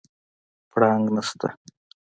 پړانګ نشته